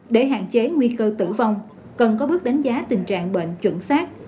để hạn chế nguy cơ tử vong cần có bước đánh giá tình trạng bệnh chuẩn xác